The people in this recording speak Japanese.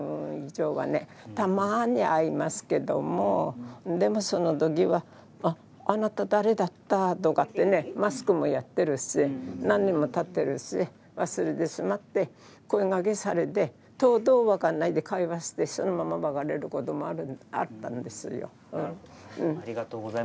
たまに会いますけれどもでもその時はあなた誰だった？とかマスクもやっているし何年もたっているし忘れてしまって声がけされてとうとう分からないままということもあったんですよ。